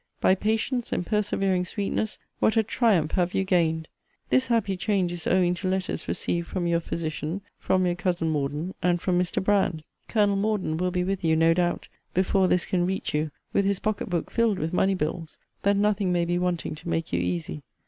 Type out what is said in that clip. By patience, and persevering sweetness, what a triumph have you gained! This happy change is owing to letters received from your physician, from your cousin Morden, and from Mr. Brand. Colonel Morden will be with you, no doubt, before this can reach you, with his pocket book filled with money bills, that nothing may be wanting to make you easy.